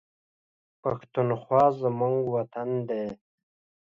پښتونخوا زموږ وطن دی